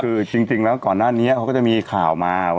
คือจริงแล้วก่อนหน้านี้เขาก็จะมีข่าวมา